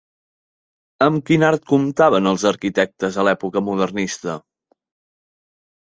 Amb quin art comptaven els arquitectes a l'època modernista?